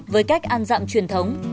với cách ăn dặm truyền thống